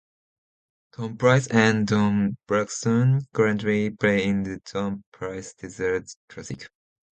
Tom Price and Don Blackstone currently play in the Tom Price Desert Classic.